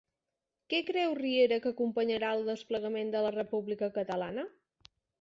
Què creu Riera que acompanyarà al desplegament de la República Catalana?